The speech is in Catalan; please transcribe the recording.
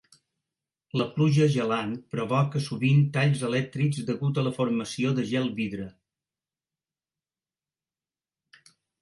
La pluja gelant provoca sovint talls elèctrics degut a la formació de gel vidre.